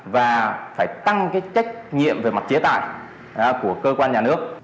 và phải tăng cái trách nhiệm về mặt chế tài của cơ quan nhà nước